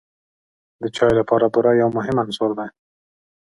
د چای لپاره بوره یو مهم عنصر دی.